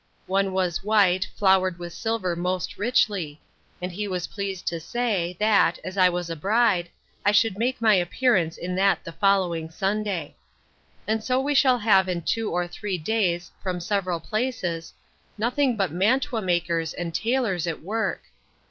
One was white, flowered with silver most richly; and he was pleased to say, that, as I was a bride, I should make my appearance in that the following Sunday. And so we shall have in two or three days, from several places, nothing but mantua makers and tailors at work.